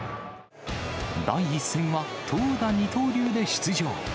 第１戦は、投打二刀流で出場。